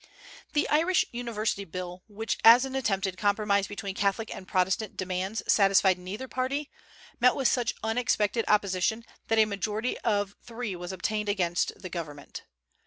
The Irish University Bill, which as an attempted compromise between Catholic and Protestant demands satisfied neither party, met with such unexpected opposition that a majority of three was obtained against the government.